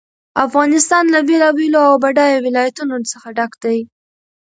افغانستان له بېلابېلو او بډایه ولایتونو څخه ډک دی.